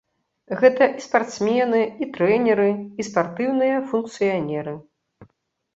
Гэта і спартсмены, і трэнеры, і спартыўныя функцыянеры.